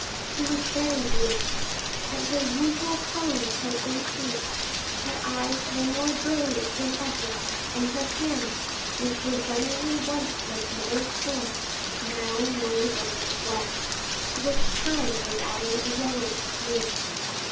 She was very beautiful, but her usual pallor had increased; her eyes were more brilliant than ever, and her hands, which were generally white like mother of pearl, now more resembled wax, to which time was adding a yellowish hue.